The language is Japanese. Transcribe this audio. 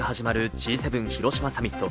Ｇ７広島サミット。